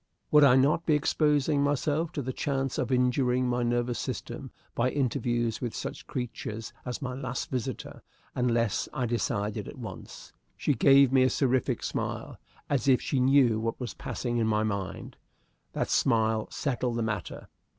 Would I not be exposing myself to the chance of injuring my nervous system by interviews with such creatures as my last visitor, unless I decided at once? She gave me a seraphic smile, as if she knew what was passing in my mind. That smile settled the matter.